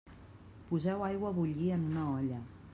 Poseu aigua a bullir en una olla.